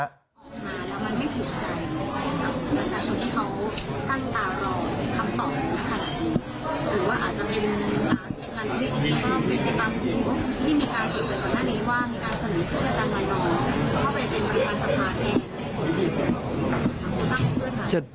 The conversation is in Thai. เพื่อตามวันรอเข้าไปเป็นบริหารสัมภาษณ์ให้ผลดีสุด